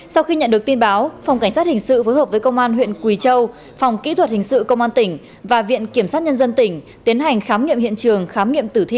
sau khi nhận được tin báo phòng cảnh sát hình sự phối hợp với công an huyện quỳ châu phòng kỹ thuật hình sự công an tỉnh và viện kiểm sát nhân dân tỉnh tiến hành khám nghiệm hiện trường khám nghiệm tử thi